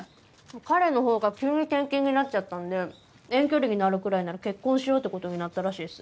彼のほうが急に転勤になっちゃったんで遠距離になるくらいなら結婚しようって事になったらしいっす。